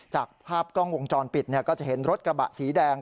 จากภาพกล้องวงจรปิดก็จะเห็นรถกระบะสีแดง